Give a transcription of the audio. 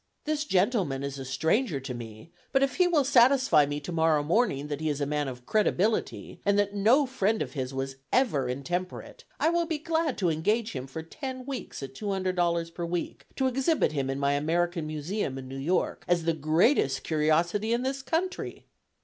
This gentleman is a stranger to me, but if he will satisfy me to morrow morning that he is a man of credibility, and that no friend of his was ever intemperate, I will be glad to engage him for ten weeks at $200 per week, to exhibit him in my American Museum in New York, as the greatest curiosity in this country."